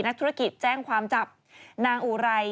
นักธุรกิจแจ้งความจับนางอุไร